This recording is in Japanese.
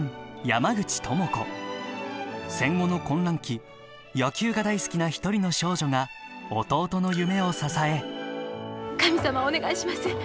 戦後の混乱期野球が大好きな１人の少女が弟の夢を支え神様お願いします。